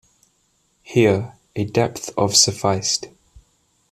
Here, a depth of sufficed.